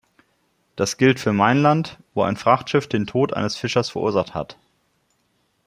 Das gilt für mein Land, wo ein Frachtschiff den Tod eines Fischers verursacht hat.